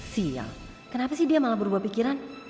siang kenapa sih dia malah berubah pikiran